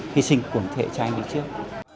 hy sinh cuồng thể cho anh đi trước